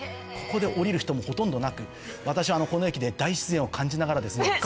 ここで降りる人もほとんどなく私この駅で大自然を感じながらですね